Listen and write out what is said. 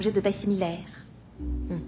うん。